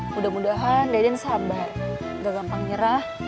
mudah mudahan deden sabar gak gampang nyerah